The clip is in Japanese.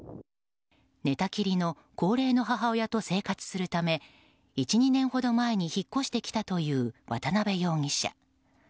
寝たきりの高齢の母親と生活するため１２年ほど前に引っ越してきたという渡辺容疑者。